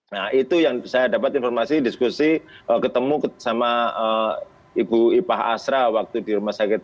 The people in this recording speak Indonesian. nah itu yang saya dapat informasi diskusi ketemu sama ibu ipah asra waktu di rumah sakit